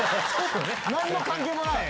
何の関係もない。